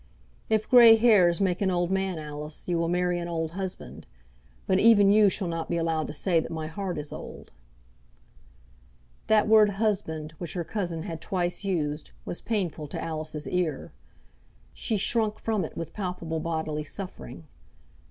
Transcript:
"If grey hairs make an old man, Alice, you will marry an old husband; but even you shall not be allowed to say that my heart is old." That word "husband," which her cousin had twice used, was painful to Alice's ear. She shrunk from it with palpable bodily suffering.